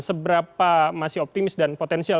seberapa masih optimis dan potensial